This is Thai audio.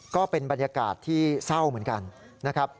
ก็เป็นบรรยากาศที่เศร้าเหมือนกันนะครับ